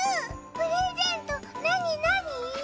プレゼント何なに？